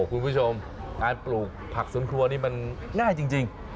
ให้หนาสักประมาณนิ้วหรือนิ้วครึ่ง